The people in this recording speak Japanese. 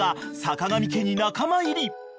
［坂上家に仲間入り］